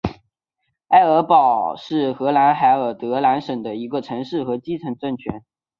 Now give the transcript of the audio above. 埃尔堡是荷兰海尔德兰省的一个城市和基层政权。